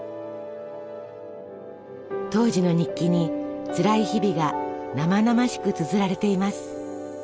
当時の日記につらい日々が生々しくつづられています。